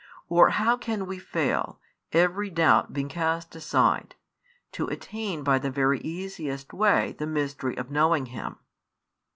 Or how can we fail, every doubt being |50 cast aside, to attain by the very easiest way the mystery of knowing Him?